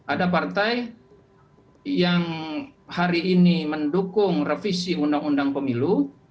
ada partai yang hari ini mendukung revisi undang undang pemilu